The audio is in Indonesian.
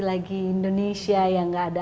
lagi indonesia yang gak ada